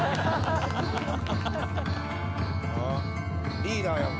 リーダーやんか。